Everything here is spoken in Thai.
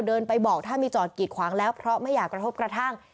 เดินไปบอกถ้ามีจอดกิดขวางแล้วเพราะไม่อยากกระทบกระทั่ง